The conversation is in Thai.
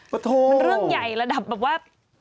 มันเรื่องใหญ่ระดับแบบว่า